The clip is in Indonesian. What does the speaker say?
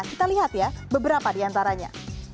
kita lihat ya beberapa diantaranya